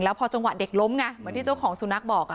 พอจังหวะเด็กล้มไงเหมือนที่เจ้าของสุนัขบอก